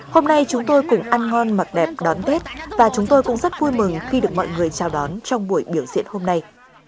hôm nay chúng tôi cùng ăn ngon mặc đẹp đón tết và chúng tôi cũng rất vui mừng khi được mọi người chào đón trong buổi biểu diễn hôm nay